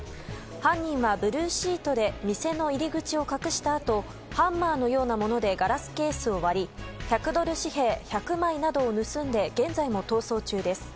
犯人はブルーシートで店の入り口を隠したあとハンマーのようなものでガラスケースを割り１００ドル紙幣１００枚などを盗んで現在も逃走中です。